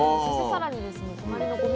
そしてさらに隣の。